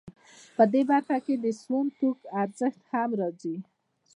په دې برخه کې د سون توکو ارزښت هم راځي